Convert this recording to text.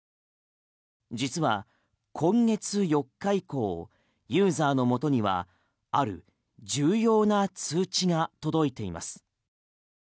実は今月４日以降ユーザーのもとにはある重要な通知が届いています。